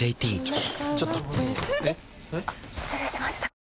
あっ失礼しました。